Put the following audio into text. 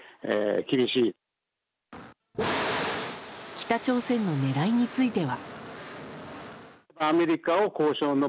北朝鮮の狙いについては。